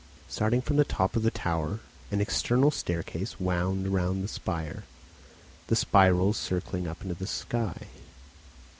Starting from the top of the tower, an external staircase wound around the spire, the spirals circling up into the sky.